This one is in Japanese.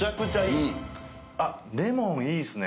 レモンいいっすね。